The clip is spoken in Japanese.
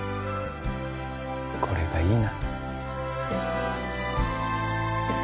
これがいいな